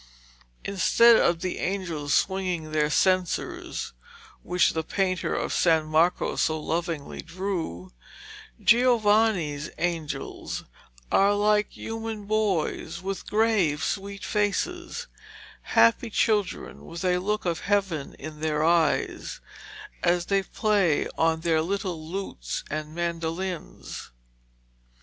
Instead of the angels swinging their censers which the painter of San Marco so lovingly drew, Giovanni's angels are little human boys, with grave sweet faces; happy children with a look of heaven in their eyes, as they play on their little lutes and mandolines.